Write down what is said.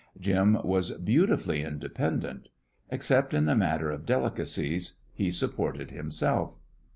Jim was beautifully independent. Except in the matter of delicacies, he supported himself.